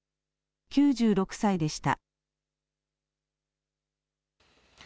９６歳でした。